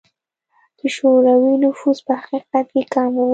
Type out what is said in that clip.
د شوروي نفوس په حقیقت کې کم و.